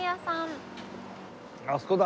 あそこだ。